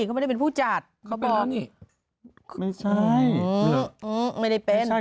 เขาไม่ได้เป็นผู้จัดเขาบอกนี่ไม่ใช่ไม่ได้เป็น